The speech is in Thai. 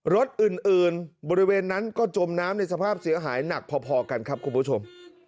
รถอื่นบริเวณนั้นก็จมน้ำในสภาพเสียหายหนักพอกันครับคุณผู้ชม